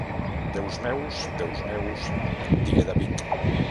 Déus meus, déus meus, digué David.